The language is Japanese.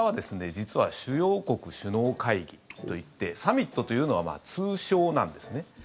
実は主要国首脳会議といってサミットというのは通称なんですね。